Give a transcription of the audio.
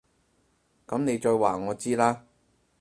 噉你再話我知啦